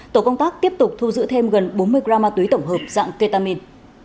tổ công tác tiếp tục thu giữ thêm gần bốn mươi gram ma túy tổng hợp dạng ketamin